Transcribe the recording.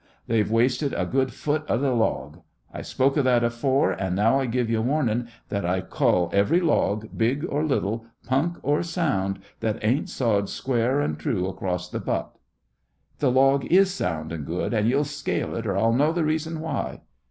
They've wasted a good foot of th' log. I spoke of that afore; an' now I give ye warnin' that I cull every log, big or little, punk or sound, that ain't sawed square and true across th' butt." "Th' log is sound and good, an' ye'll scale it, or I'll know th' reason why!"